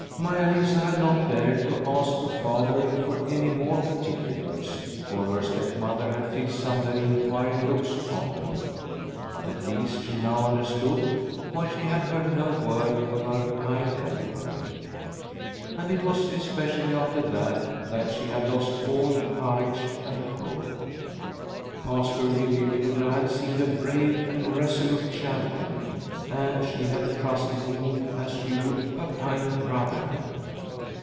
Maia Lisa had not dared to ask her father for any more particulars, for her stepmother had fixed some very inquiring looks upon her. But at least she now understood why she had heard no word of her kind helper. And it was especially after that that she had lost all courage and hope. Pastor Liliecrona had seemed a brave and resolute champion, and she had trusted him as she would a kind brother.